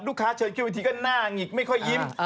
ลูกค้าเชิญคิดวิธีก็หน้าหงิกไม่ค่อยยิ้ม